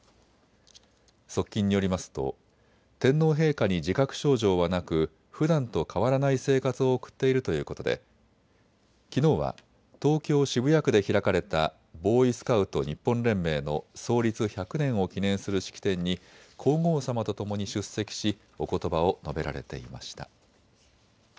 側近によりますと天皇陛下に自覚症状はなくふだんと変わらない生活を送っているということできのうは東京渋谷区で開かれたボーイスカウト日本連盟の創立１００年を記念する式典に皇后さまとともに出席しおことばを述べられていました。